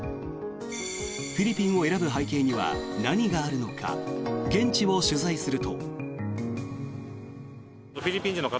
フィリピンを選ぶ背景には何があるのか現地を取材すると。